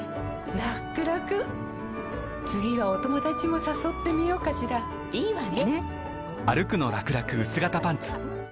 らくらくはお友達もさそってみようかしらいいわね！